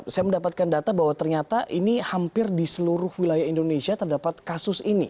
saya mendapatkan data bahwa ternyata ini hampir di seluruh wilayah indonesia terdapat kasus ini